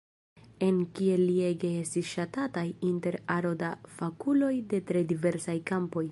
En Kiel li ege estis ŝatata inter aro da fakuloj de tre diversaj kampoj.